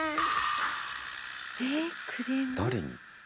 誰に？